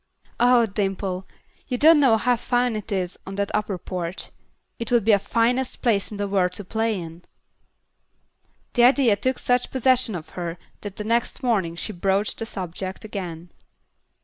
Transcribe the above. Ah, Dimple, you don't know how fine it is on that upper porch. It would be the finest place in the world to play in." The idea took such possession of her that the next morning she broached the subject again.